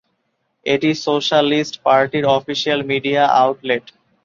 এটি সোশ্যালিস্ট পার্টির official media outlet.